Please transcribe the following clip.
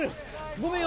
ごめんよ！